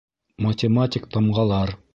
Математик тамғалар